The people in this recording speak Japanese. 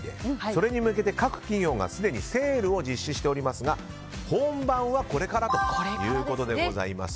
それに向けて各企業がすでにセールを実施しておりますが本番はこれからということでございます。